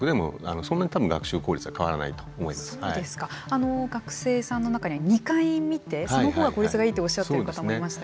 あの学生さんの中には２回見てその方が効率がいいっておっしゃってる方もいましたけど。